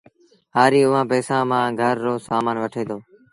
هآريٚ اُئآݩ پئيٚسآݩ مآݩ گھر رو سامآݩ وٺي دو